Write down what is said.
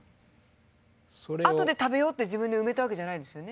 後で食べようって自分で埋めたわけじゃないですよね？